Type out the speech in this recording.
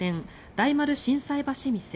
大丸心斎橋店